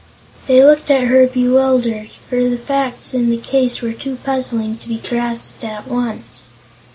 They looked at her bewildered, for the facts in the case were too puzzling to be grasped at once.